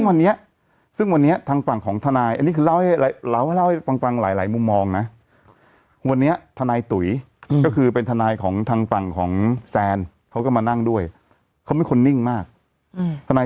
มือในใกล้ฝีดาดริงเข้าไปทุกวันละ